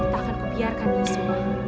takkan kupiarkan ya semua